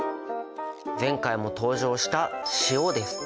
前回も登場した塩です。